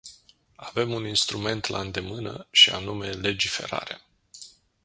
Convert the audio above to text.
Avem un instrument la îndemână, și anume legiferarea.